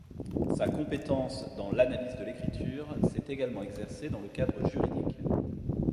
Sa compétence dans l'analyse de l'écriture s'est également exercée dans le cadre juridique.